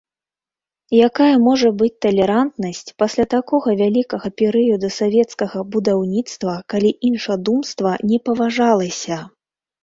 Якая можа быць талерантнасць пасля такога вялікага перыяду савецкага будаўніцтва, калі іншадумства не паважалася?